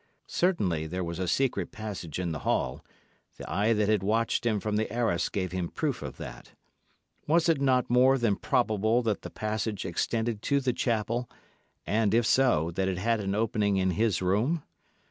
Certainly there was a secret passage in the hall; the eye that had watched him from the arras gave him proof of that. Was it not more than probable that the passage extended to the chapel, and, if so, that it had an opening in his room?